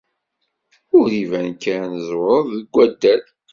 Uh, iban kan tẓewred deg waddal.